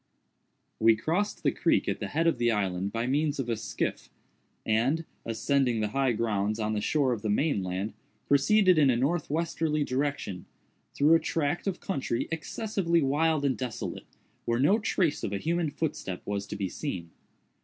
We crossed the creek at the head of the island by means of a skiff, and, ascending the high grounds on the shore of the main land, proceeded in a northwesterly direction, through a tract of country excessively wild and desolate, where no trace of a human footstep was to be seen.